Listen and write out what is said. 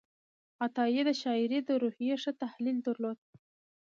عطایي د شاعرۍ د روحیې ښه تحلیل درلود.